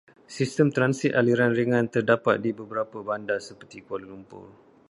Sistem transit aliran ringan terdapat di beberapa bandar, seperti Kuala Lumpur.